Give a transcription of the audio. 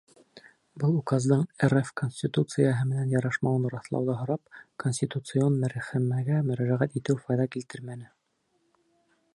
Был Указдың РФ Конституцияһы менән ярашмауын раҫлауҙы һорап, Конституцион мәхкәмәгә мөрәжәғәт итеү файҙа килтермәне.